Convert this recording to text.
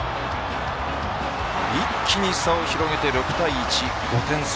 一気に差を広げて６対１、５点差。